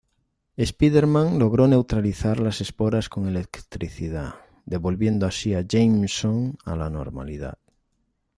Spider-Man logró neutralizar las esporas con electricidad, devolviendo así a Jameson a la normalidad.